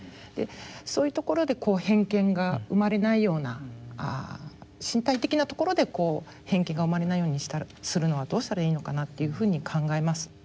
そういうところで偏見が生まれないような身体的なところで偏見が生まれないようにするのはどうしたらいいのかなっていうふうに考えます。